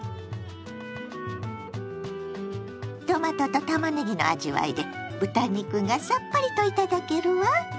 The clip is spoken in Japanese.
トマトとたまねぎの味わいで豚肉がさっぱりと頂けるわ。